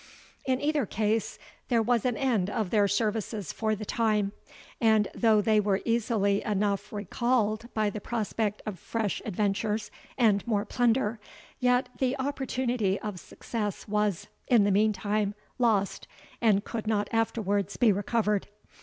In either case, there was an end of their services for the time; and though they were easily enough recalled by the prospect of fresh adventures and more plunder, yet the opportunity of success was, in the meantime, lost, and could not afterwards be recovered.